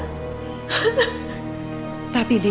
dandi pasti akan bicara yang tidak tidak